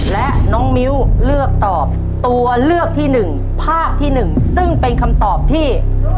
และน้องมิ้วเลือกตอบตัวเลือกที่๑ภาพที่๑ซึ่งเป็นคำตอบที่